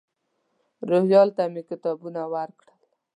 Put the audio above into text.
روهیال ته مې کتابونه ورکړل.